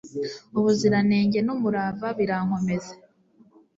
ubuziranenge n'umurava birankomeze